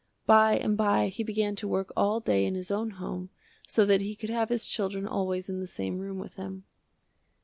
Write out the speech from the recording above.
By and by he began to work all day in his own home so that he could have his children always in the same room with him.